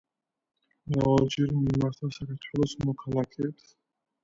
მრავალჯერ მიმართა საქართველოს მოქალაქეებს.